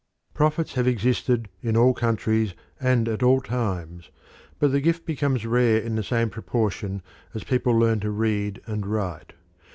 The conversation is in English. Prophets have existed in all countries and at all times, but the gift becomes rare in the same proportion as people learn to read and write.